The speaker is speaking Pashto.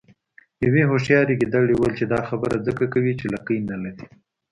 یوې هوښیارې ګیدړې وویل چې دا خبره ځکه کوې چې لکۍ نلرې.